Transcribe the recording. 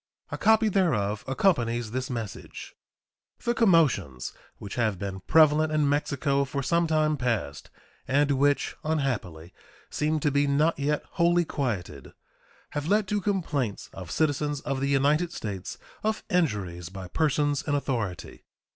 A copy thereof accompanies this message. The commotions which have been prevalent in Mexico for some time past, and which, unhappily, seem to be net yet wholly quieted, have led to complaints of citizens of the United States of injuries by persons in authority.